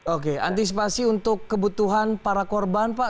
oke antisipasi untuk kebutuhan para korban pak